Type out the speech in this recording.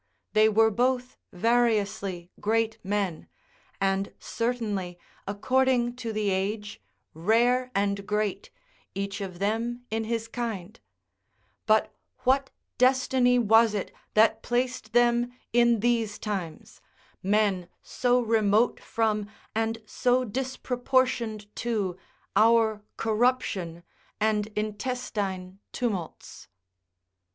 They were both variously great men, and certainly, according to the age, rare and great, each of them in his kind: but what destiny was it that placed them in these times, men so remote from and so disproportioned to our corruption and intestine tumults?